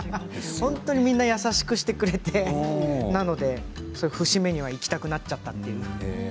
本当にみんな優しくしてくれてなので節目には行きたくなっちゃった。